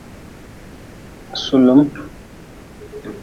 Sulim.